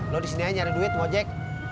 lo disini aja nyari duit mojek